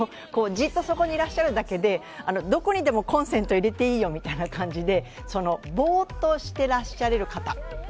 じっとそこにいらっしゃるだけでどこにでもコンセント入れていいよという感じで、ボーッとしていらっしゃれる方。